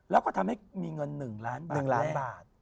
แล้วก็ทำให้มีเงินหนึ่งล้านบาทแรก